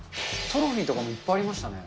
トロフィーとかもいっぱいありましたね。